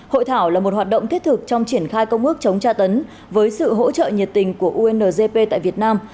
hội thảo là một hoạt động thiết thực trong triển khai công ước chống tra tấn với sự hỗ trợ nhiệt tình của undp tại việt nam